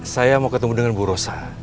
saya mau ketemu dengan bu rosa